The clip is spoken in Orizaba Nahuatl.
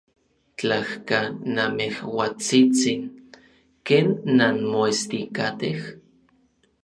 Tlajka, namejuatsitsin. ¿Ken nanmoestikatej?